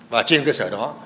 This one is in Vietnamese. và trên cơ sở đó